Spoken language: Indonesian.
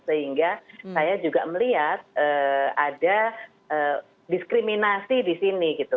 sehingga saya juga melihat ada diskriminasi di sini gitu